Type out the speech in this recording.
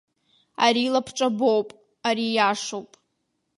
Ари лабҿабоуп, ари иашоуп.